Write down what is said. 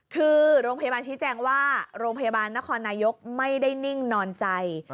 คือโรงพยาบาลชี้แจงว่าโรงพยาบาลนครนายกไม่ได้นิ่งนอนใจ